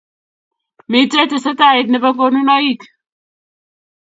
Mitei tesetaet nebo konunoik